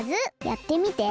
やってみて！